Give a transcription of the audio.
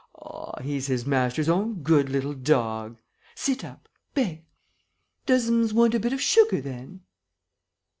Ah, he's his master's own good little dog!... Sit up! Beg!... Does'ms want a bit of sugar, then?..."